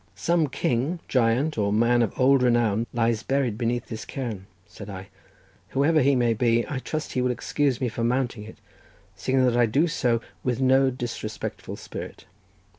"Some king, giant, or man of old renown lies buried beneath this cairn," said I. "Whoever he may be I trust he will excuse me for mounting it, seeing that I do so with no disrespectful spirit."